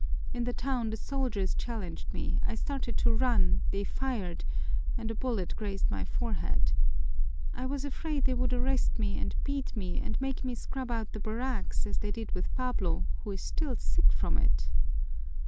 In the town the soldiers challenged me, I started to run, they fired, and a bullet grazed my forehead. I was afraid they would arrest me and beat me and make me scrub out the barracks, as they did with Pablo, who is still sick from it."